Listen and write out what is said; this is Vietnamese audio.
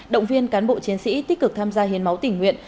động viên cán bộ chiến sĩ tích cực tham gia hiến máu tình nguyện